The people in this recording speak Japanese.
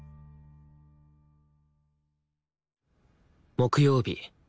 木曜日。